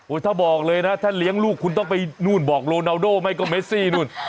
ถ้าบอกเลยนะถ้าเลี้ยงลูกคุณต้องไปนู่นบอกโรนาโดไหมก็เมซี่นู่น